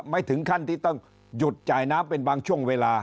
ไม่ถึงขั้นที่ต้องหยุดจ่ายน้ำเป็นบางช่วงเวลา